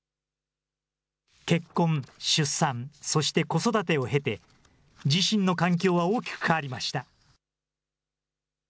結婚、出産、そして子育てを経て、自身の環境は大きく変わりました。